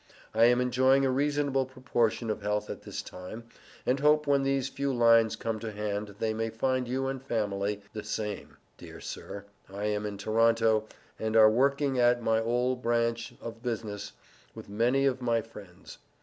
I am enjoying a reasonable proportion of health at this time and hope when these few lines come to hand they may find you and family the same dear Sir I am in Toronto and are working at my ole branch of business with meny of my friends.